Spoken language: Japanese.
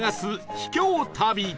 秘境旅